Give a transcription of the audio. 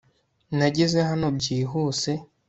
nageze hano byihuse